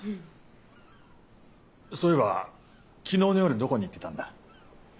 そういえば昨日の夜どこに行ってたんだ？